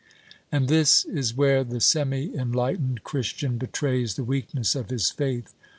And this is where the semi enlightened Christian betrays the weakness of his faith.